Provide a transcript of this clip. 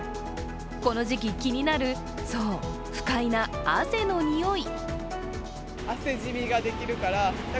この時期、気になるそう、不快な汗のにおい。